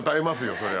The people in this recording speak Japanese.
そりゃ。